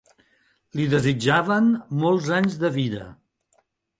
Li desitjaven molts anys de vida